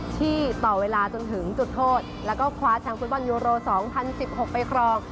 ที่ต่อเวลาจนถึงจุดโทษแล้วก็คว้าแชมป์ฟุตบอลยูโร๒๐๑๖ไปครอง